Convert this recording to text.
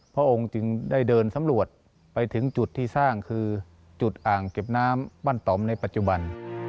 พระองค์จึงได้เดินสำรวจไปถึงจุดที่สร้างคือจุดอ่างเก็บน้ำบ้านต่อมในปัจจุบัน